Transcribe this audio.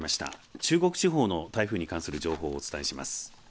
中国地方の台風に関する情報をお伝えします。